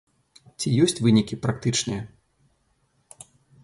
Ці ёсць вынікі практычныя?